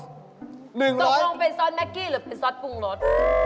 ตกลงเป็นซอสแก๊กกี้หรือเป็นซอสปรุงรส